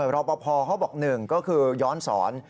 รอปภเขาบอกหนึ่งก็คือย้อนสอน